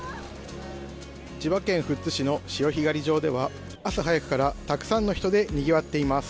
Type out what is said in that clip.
千葉県富津市の潮干狩り場では朝早くからたくさんの人でにぎわっています。